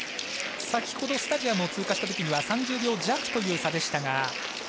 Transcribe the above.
先ほどスタジアムを通過したときには３０秒弱という差でしたが。